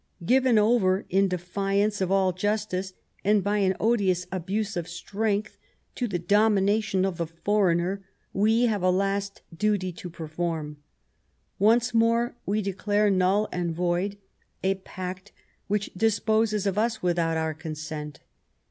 " Given over, in defiance of all justice and by an odious abuse of strength, to the domination of the foreigner, we have a last duty to perform. Once more we declare null and void a pact which disposes of us without our consent.